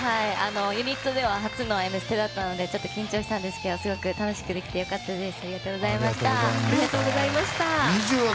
ユニットでは初の「Ｍステ」だったので緊張したんですけどすごく楽しくできて良かったです。